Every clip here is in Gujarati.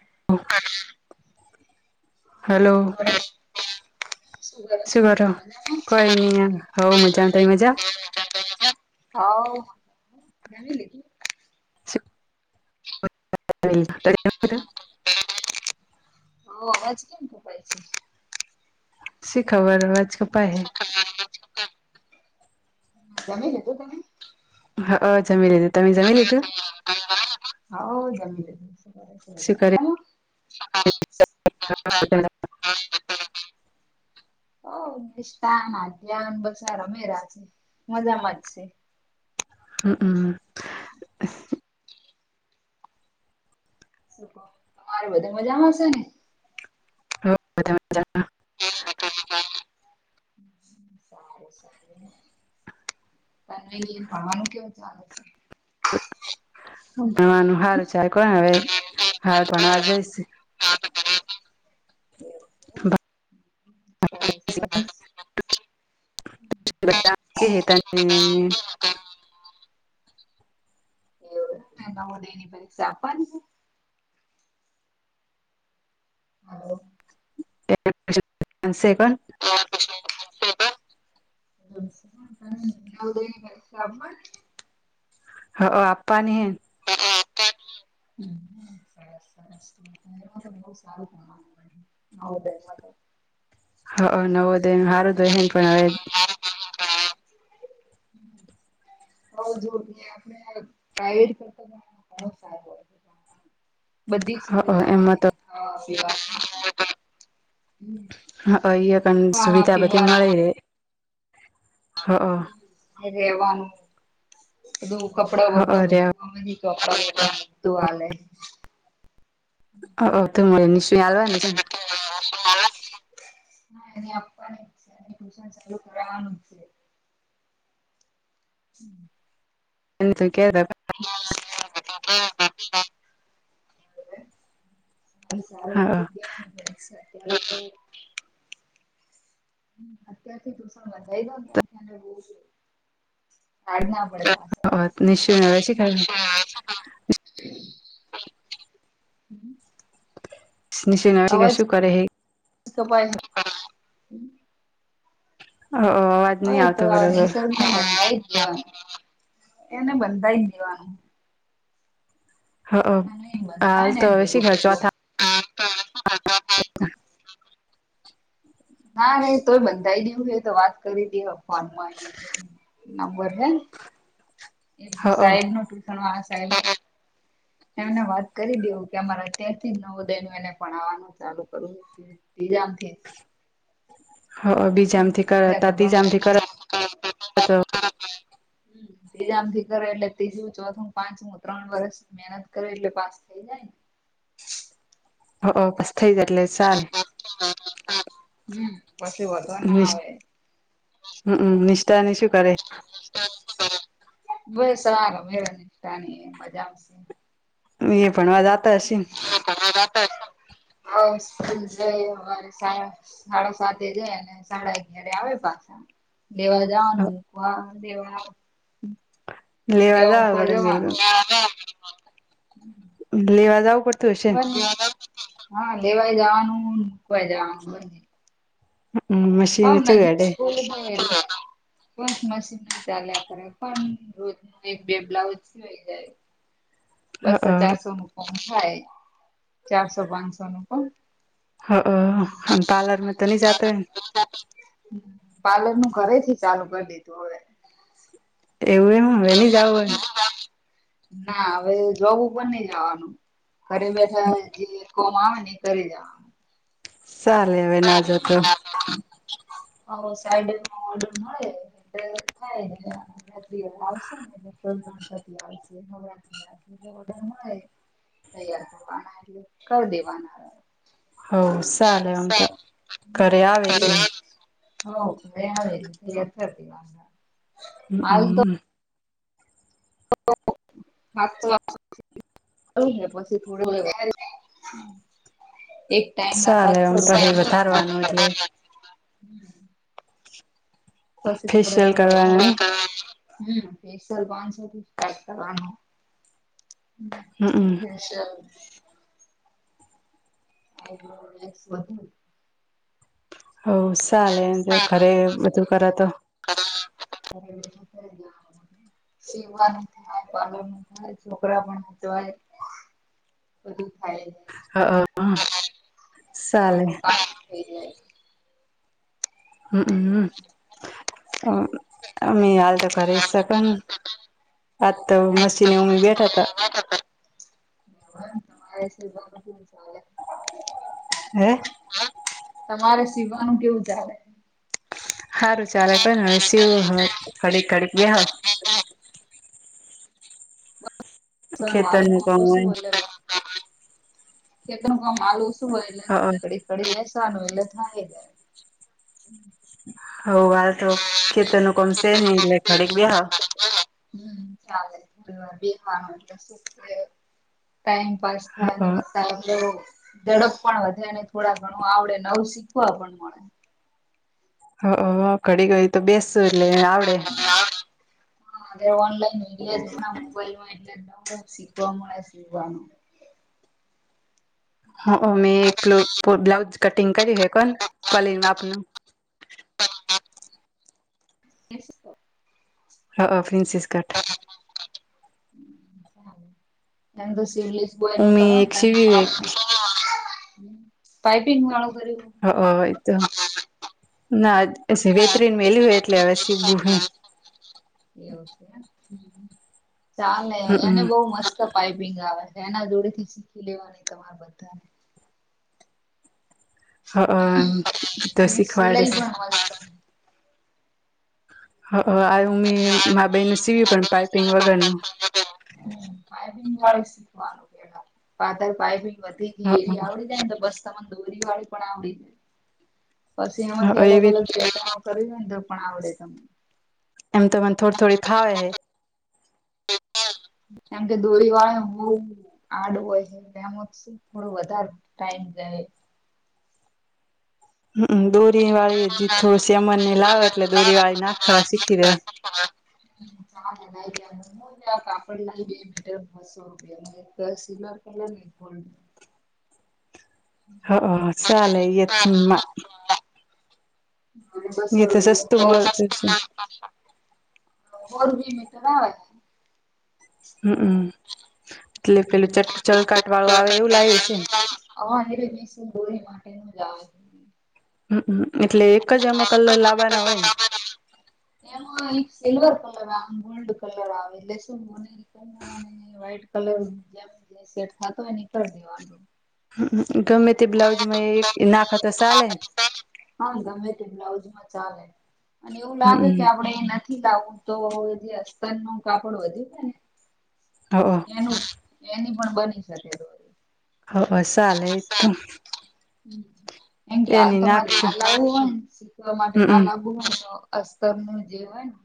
[inaudible] હલો વરસ [unintelligible] શું કરો કઈ નહી હવ મજા તઈ મજા [unintelligible] હોવ જમી લીધું [inaudible] [unintelligible] હા અવાજ કેમ કપાય છે શી ખબર અવાજ કપાય [unintelligible] જમી લીધું તમે હા જમી લીધું તમે જમી લીધું. [unintelligible] હઉ શું જમી લીધું કરી [unintelligible] [unintelligible] બસ આ રમે રહ છે મજામાં જ છે. હ અ મ બધા મજામાં શે ને. હજા. [unintelligible] તન્વી રિ ભણવાનું કેવું ચાલે છે વાનું હમ હારું છે કોણ હવે હાર ભણવા જઈશ. [unintelligible] [inaudible] [unintelligible] [unintelligible] બ હેતાને. એવ નવો દે ની પરીક્ષા આપવાની છે. હ. એ [unintelligible] [unintelligible] [unintelligible] હ અ આપ્પાની હેન પાતાા ન. એમાં તો બવ સારું [unintelligible] હ અ નવો દ નું હારું તો હેન પણ હવે. હા. ઓ જો જે આપને પ્રાઈવેટ કરતા પણ ઘણા સારો હોય છે. [inaudible] બધી સુવિધા હવે એમાં તો મળી અ [unintelligible] અહીં ય પણ સુવિધા બધી મળે રે. હ રેવાનું બધું કપડા હ વપડ બધુંમે. [unintelligible] તું આલ ને તો મળે નિશ હાલવાનું છે. [unintelligible] ટ્યુશન ચાલુ કરવાનું છે. [inaudible] એ તો કે તા [unintelligible] સારું આપી જ હા દેવાની પરીક્ષા અત્યારે તો. હ અત્યારથી ટ્યુસેન લગાય ડોને દને બઉ છે ના પડ. નિશુ હવે શી કરે [unintelligible] [inaudible] નિશ ન [unintelligible] શું કરે એ તો પાય [unintelligible] અવાજ નહી હોતો આવતો આવ. બરોબર [unintelligible] એને બંધાઈ દેવાનું. હ અને હાલ બધા ને તો એન હવે શી ભેગું ખર કરવું. [inaudible] ના ન તોય બંધાઈ દયવું હો તો વાત કરી દે અ ફનમાં. નંબર હે. એ ચોથા સાહેબ નું ટુશન આ સાહેબ એમને વાત કરી દયો કે અમારે અત્યારથી નવોદયનું એને ભણાવાનું ચાલુ કરવું એજામથી હ હ બીજામથી કર ત્રીજામથી કર તો કર બીજામથી કરે એટલે ત્રીજું ચોથું પાંચમું ત્રણ વરષ મહેનત કરે એટલે પાસ થઇ જાયને [inaudible] હ બસ થઈ જ એટલે ચાલે હ હમ પછી વધો ના આવે હ નિષ્ઠાની શું કરે બસ આ રમે નિષ્ઠાની મજામાં શે એ ભણવા જાતા હશે ને અ હ સ્કૂલ જઈ હવારે સાડા સાતે જાય ને સાડા અગયારે આવે પાછા દેવા જવાનું મુકવા દેવા ને લેવા જવા મૂકવા પડે જવાનું મેલવા લેવા જવું પડતું હશે બ હા લેવાય જવાનું મૂકવાઈ જવાનું બંને ને મશીન હાવ ચેવું નજીક હેડે સ્કૂલ હે એટલે વસ મશીન ચાલ્યા કરે પણ રોજનું એક બે બ્લાઉજ સીવાઈ જાય બસો ચારસો હ નું પણ થાય ચારસો પાંચસો નું પણ હ અને પાર્લરમાં તો ન જતી હોય ને પાર્લર નું ઘરે થી ચાલુ કરી દીધું હવે એવું એમ હવે ની જાવું એમ. ના હવે જોબ ઉપર ની જવાનું ઘરે બેઠા હોય કોમ આવે ને ઘરે જવાનું ચાલે હવે ના જાય તો તો સાઈડ ઓર્ડર મળે એટલે થાય ને આવસે ને આવશે હવેને મળે તૈયાર કરવાના એટલે કરી દેવાના હવ ચાલે હમ તો ઘરે આવે છે હ ક આવે એ વાંધ હમ હમ વાસ્ વા હ હ પછી થોડ એક ટાઈમ ના ચાલે સાતસો આમ પછી રૂપિયા વધારવાનું એટલે પછી થોડે ફેશિયલ થોડે કરવાનું વધારે ને હમ ફેસલ પાનસો થી સ્ટાર્ટ કરવાનું હમમ હ હશ આઈબ્રો વેક્સ બધું હ ચલે બેઠા ઘરે બધું કરા તો અરે [inaudible] સેવા નું થાય, પાલર નું થાય છોકરા પણ સચવાય. બધું થાય. હ ઘર ચાલે નું કામ થઈ હમમ અમે હાલ તો કરી જાય શક આજ તો મસીને તમારે અમે બેઠા તા. એ તમારે સિવવા પર કેવું ચાલે? હે તમારે સીવાનું કેવું ચાલે સારું ચાલે ક ને હવે શિવ હમે કડીક ખડીક વહ નું આલુ ખેતરનું કામ શું હોય ખેતનું કામ આલુ શું હોયલા કડી કડી એ સાનું એલા થાય જાય. હ વા તો ખેતર નું કમશે નહહી એટલે ખડીક બે હ. હમ્મ [unintelligible] પાાસ [unintelligible] હ ધઝડપ પણ વધે અને થોડા ઘણું આવડે નવું શીખવા પણ મળે. હ ઘડી- ઘડી તો બેસું એટલે આવડે. હા ઓનલાઈન મીડિયા જો મોબાઈલ માં એટ શીખવા [unintelligible] હ મેં એક બ્લાઉજ કટિંગ કર્યું હ કો પલીન માપનું. હા. એસ્. હ [unintelligible] એમ તો સવલેસ બોય ન મે કરો ને એક ત સીવી એક પઈપિંગ વાળૂ [unintelligible] વેતરીન વલી હોય એટલે હવે ત બુ હે. એવું છે ચાલે એને હમ બહ મસ્ત પાપિંગ આવે છે એના જોડે થી શીખી લેવા ન તમારા બધાને. હ તો એને સિલાઈ શીખવાડશી પણ આું મેં મા બેનનું સીવ્યું પણ પાઈપિંગ વગરનું. હમ્મ પાયપિંગ વાળું શીખવાનું પે પાતર પાપિંગ વધી એરી આવડી જાય ને તો બસ. દોરી વાળી પણ આવડી પછી એમાંથી અલગ એવી -અલગ કરી ની લીધો પણ આવડે એમ તો મને થોડી થોડી ફાવે હે કેમ કે દોરી વાળ હું. આડું હોય છેલે એમાં થોડું વધારે ટાઈમ જાય. હમ્મ દોરી વાળી જે થોડું શેમન ની લાવે એટલે દોરી વાળી નાખા શીખી રહ્યા. હમ્મ [unintelligible] [inaudible] હ ચાલે [unintelligible] બસ. એ એમે તો સસ્તું મળતું છે [unintelligible] હમ્મ એટલે પેલું ચટ ચલકાટ વાળું આવે એવું લાવે છે ને. હરે શું દોરી માટે ન જાવ. હમ એટલે એક જ એમાં કલર લાવવાના હોય ને? એમાં એક સિલ્વર ગોલ્ડ કલર આવે લેસ મોને કલર વઈટ કલર [unintelligible] ગમે તે બ્લાઉજમાં નાખ તો ચાલે? હા ગમે તે બ્લાઉઝમાં ચાલે અને એવું લાગે કે હમમ આપડે એ નથી લાવું તો અસ્તન નું કાપડ વધ્યું હો ને. હ. એનું એની પણ બની શકે તો. હ સલે તો. એમ કે હાલ એની તમારે ના નાખશું લાવવું હોયને શીખવા માટે ના હમમ લાવવું હોય તો અસ્તર નું જેવ હોય ને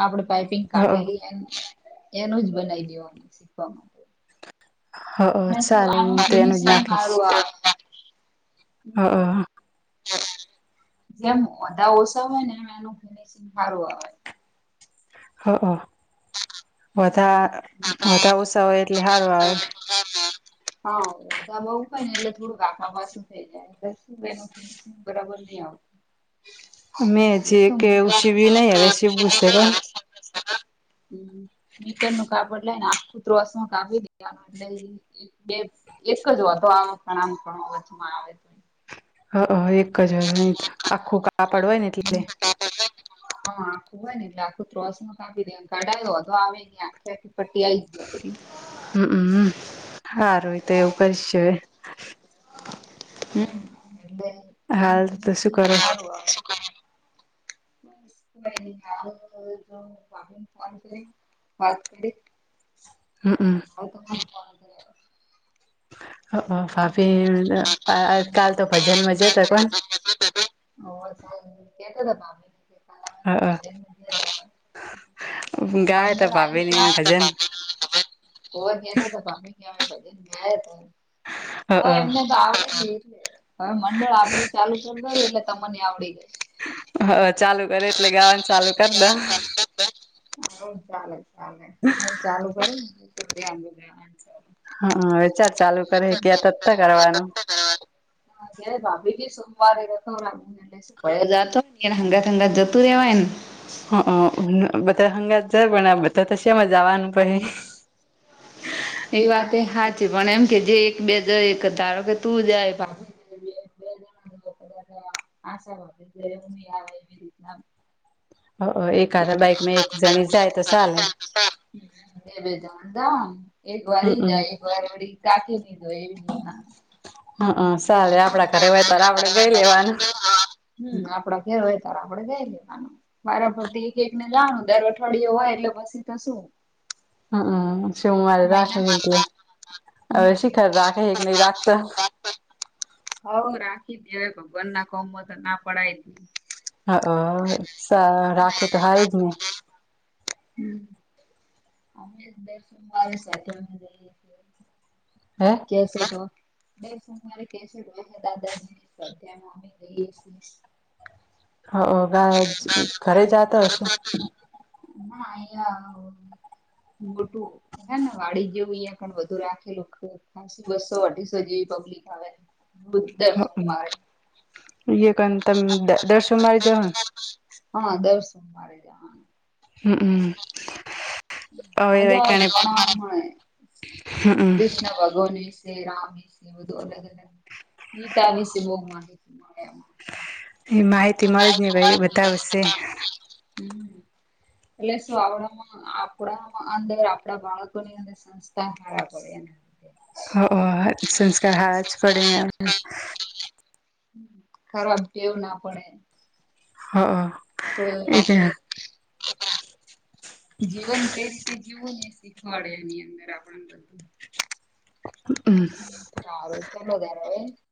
આપડે પાઈપિંગ હ કાઢેલી એ. એનું જ બનાવી દેવાનું શીખવા માટે. હ પણ શું ચાલે હું આનું તો એનું જ ફિનિશિંગ નાખીશ. હારું આવે. હા હ. જેમ ઓધા ઓછા હોય ને એમ એનું ફિનિશિંગ સારું આવે. હા હ. વધા વધા ઓછા હોય એટલે હારું આવે હા વધધા બહુ હોય ને એટલે થોડું વાખા બાસું થઈ જાય ફિનિશિંગ બરાબર હ મેં જે કે એવું સીવ્યું નહી હવે સીવવું છે કોણ. [unintelligible] [inaudible] હ મીટર નું કાપડ લાય ને આખુંત અસમાં કાપી દ એટલે બે એક જ વાંધો આ પણ આમ ઘ વચમાં આવે તો હ એક જ નહી આખું કાપડ હોય ને [inaudible] એટલે હા આખું હોય ને એટલે આખું ત્રોસ ન કાપી દેમ કાઢાયો આવે ન આખી આખી પટ્ટી આ આવી જ કરી હમમ હારુંય તો એવું કરીશું હાલ તો શું કરો હમ જો ફોન વાત કરી હમમ હ તો ભાભી કાલ તો ભજન મજે તો કોણ હ કેતા હતા મંદર આવી છે પો ગાય તા ગતા ભાભીની ભજન હતા ભી ગ સ ગયા હતા હ હવે એમને થી હવે મંડળ આપડું ચાલુ કરી દીઓ એટલે તમને આવડી જાય હા ચાલુ કરે એટલે ગાવાનું ચાલુ કર દવ હ ચાલે ચાલે હ ચાલુ કરને હા વેચાર ચાલુ કરે કે્યા ત કરવાનું હ ભાભીજી સોમવારે એ સુ જ હ ચંગા જતું રહેવા હ બધા હંગાત જાય પણ બધા તો શમાંજાવાનું પ હ એ વાત એ હાચી છે પણ એમ કે જે એક બે જઈ ધારો કે તું જાય આશાવ આવે એવી રીતના એકાદા બાઈકમાં એક જણી જાય તો છાલે બે બે જણ એક વાર ઈ જાય એક વાર કાકી નહી જોય એવી રીતના હા ચાલે આપડા ઘરે હોય તો આપડે ગઈ લેવાનું હમ આપડા ઘેર હોય ત આપડે જઈ લેવાનું વારા ફરથી એક એક ને લાનું દર અઠવાડિય હોય એટલે પછી તો શું હમ હમ શિવ મારે રાખી મહિના દીધું હ હમ શીખર રાખે હ નહી રાખતા હઉ રાખી દે હય ભગ્બન ના કમમાં તો ના પડાય દ હ રાખે તો હારુ જ ને હ અમે દર સોમવારે સાથે અમે રાખીએ હે કેસ છ બે સું મારે કે છે દાદાજી ની શ્રધ્યામાંમ ગઈએ છીએ હ ઘરે જતા હશે ના અયા મોટું હે ને વાડી જેવું અહં પણ વધુ રાખેલું ખ હ બસો અઢીસો જેવી પબ્લિક આવે દર સોમવારે કો તમે દર્શન મારી જાઓ હા દર સોમવારે જવાનું હમ હમ મજા આવે હમ કૃષ્ણ ભગવ ની રામની સ ને બધું અલગ અલગ ગીતા વિશે બો માહિતી મળે એમ એ માહિતી મળે જ ને ભાઈ બતાવશે. હમમ એટલે શું આવડા માં આપણા અંદર આપડા બાળકો ની અંદર સંસ્કાર હારા પડે એમ. [inaudible] હા સંસ્કાર હારા જ પડેને ખરાબ ટેવ ના પડે. હા [inaudible] જીવન કઈ રીતે જવું ને શીખવાડે એની અંદર આપણ ને બધું સારું ચાલો ત્યારે [unintelligible]